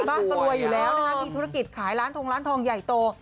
บ้านก็รวยอยู่แล้วนะคะมีธุรกิจขายร้านทงร้านทองใหญ่โต